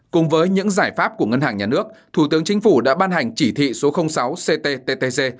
cùng với những giải pháp của ngân hàng nhà nước thủ tướng chính phủ đã ban hành chỉ thị số sáu cttg